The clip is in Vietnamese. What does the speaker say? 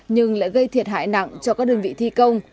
nhưng lại gây thiệt hại nặng cho các đơn vị thi công